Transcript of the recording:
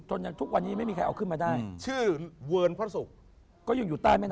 ทุกวันนี้ไม่มีใครเอาขึ้นมาได้ชื่อเวิร์นพระศุกร์ก็ยังอยู่ใต้แม่น้ำ